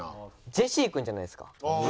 ジェシー君じゃないですか。